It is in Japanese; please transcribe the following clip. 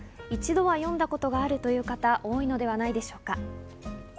一度は読んだことがあるという方、多いのではないでしょうか？